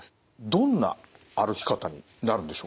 どんな歩き方になるんでしょうか？